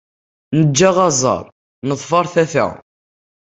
Neǧǧa aẓar, neḍfer tata.